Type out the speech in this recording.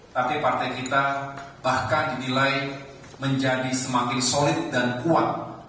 tapi partai kita bahkan dinilai menjadi semakin solid dan kuat